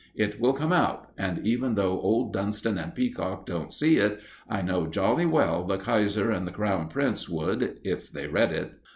It will come out; and even though old Dunston and Peacock don't see it, I know jolly well the Kaiser and the Crown Prince would, if they read it."